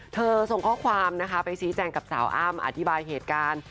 เธอส่งข้อความไปชี้แจงกับสาวอ้ามอธิบายเหตุกาล